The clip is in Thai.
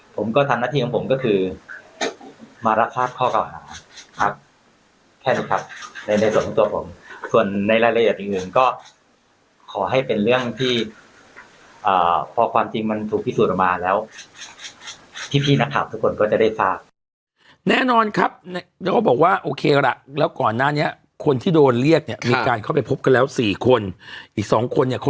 ผมก็ทำหน้าที่ของผมก็คือมารับทราบข้อเก่าหาครับแค่นี้ครับในในส่วนของตัวผมส่วนในรายละเอียดอื่นก็ขอให้เป็นเรื่องที่พอความจริงมันถูกพิสูจน์ออกมาแล้วพี่นักข่าวทุกคนก็จะได้ทราบแน่นอนครับแล้วก็บอกว่าโอเคละแล้วก่อนหน้านี้คนที่โดนเรียกเนี่ยมีการเข้าไปพบกันแล้วสี่คนอีกสองคนเนี่ยค